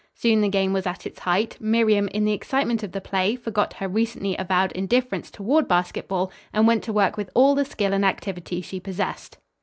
Soon the game was at its height. Miriam in the excitement of the play, forgot her recently avowed indifference toward basketball and went to work with all the skill and activity she possessed.